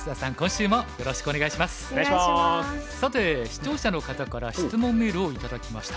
さて視聴者の方から質問メールを頂きました。